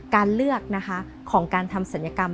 การเลือกนะคะของการทำศัลยกรรม